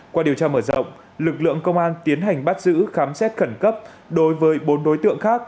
qua điều tra mở rộng lực lượng công an tiến hành bắt giữ khám xét khẩn cấp đối với bốn đối tượng khác